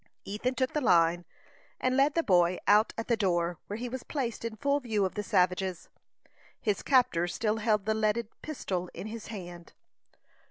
Ethan took the line, and led the boy out at the door, where he was placed in full view of the savages. His captor still held the leaded pistol in his hand.